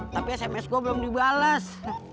tapi sms gue belum dibalas